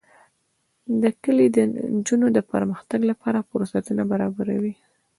دا کلي د نجونو د پرمختګ لپاره فرصتونه برابروي.